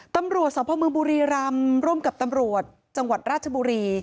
ตำรวจสพมบุรีรำร่วมกับตำรวจจังหวัดราชบุรี